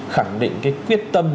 khẳng định cái quyết tâm